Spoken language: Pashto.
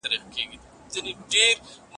زده کوونکي په ټوله نړۍ کي په ګډه کار کوي.